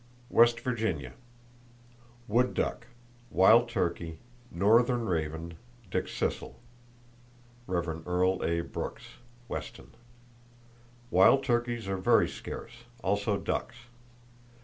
West Virginia: Wood duck, wild turkey, northern raven, dickcissel.—(Rev. Earle A. Brooks, Weston.) Wild turkeys are very scarce, also ducks.